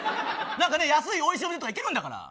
なんか安いおいしいお店とか行けるんだから。